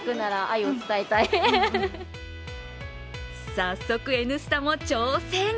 早速「Ｎスタ」も挑戦！